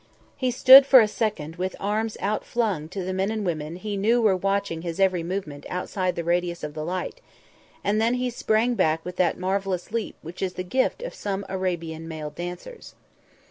He stood for a second with arms outflung to the men and women he knew were watching his every movement outside the radius of the light, and then he sprang back with that marvellous leap which is the gift of some Arabian male dancers.